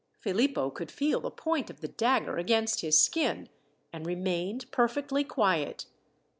Philippo could feel the point of the dagger against his skin, and remained perfectly quiet.